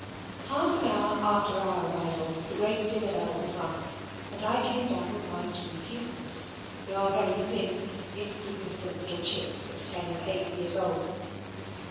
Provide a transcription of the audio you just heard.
Half an hour after our arrival, the great dinner bell was rung, and I came down with my two pupils (they are very thin insignificant little chits of ten and eight years old).